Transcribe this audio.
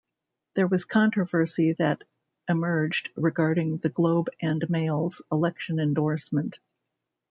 There was controversy that emerged regarding the Globe and Mail's election endorsement.